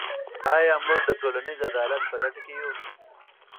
آیا موږ د ټولنیز عدالت په لټه کې یو؟